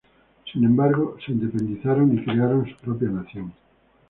Sin embargo se independizaron y crearon su propia nación.